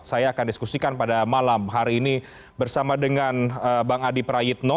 saya akan diskusikan pada malam hari ini bersama dengan bang adi prayitno